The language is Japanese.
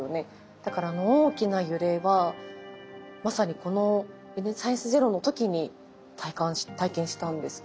だからあの大きな揺れはまさにこの「サイエンスＺＥＲＯ」の時に体験したんですけど。